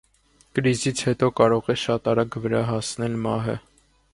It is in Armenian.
Կրիզից հետո կարող է շատ արագ վրա հասնել մահը։